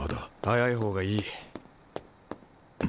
早い方がいい。